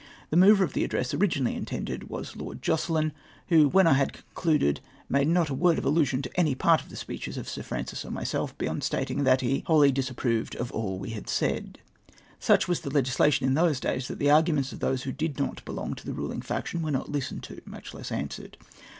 The mover of the address originally intended was Lord Jocelpi, Avho, Avhen I had concluded, made not a Avord of allusion to any part of the speeches of Sir Francis or myself, beyond stating that " lie wholly disajyproved of all we had saidy Such was legislation in those days, that the aro uments of those who did not belonoj to the ruling; faction were not hstended to, nnich less answered.